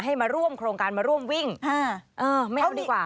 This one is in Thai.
ให้มาร่วมโครงการมาร่วมวิ่งไม่เอาดีกว่า